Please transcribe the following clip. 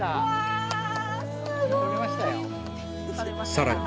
さらに